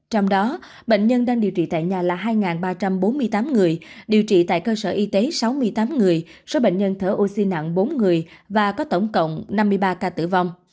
trong đó bệnh nhân đang điều trị tại nhà là hai ba trăm bốn mươi tám người điều trị tại cơ sở y tế sáu mươi tám người số bệnh nhân thở oxy nặng bốn người và có tổng cộng năm mươi ba ca tử vong